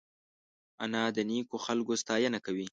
انا د نیکو خلکو ستاینه کوي